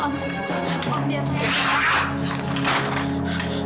nggak nggak usah om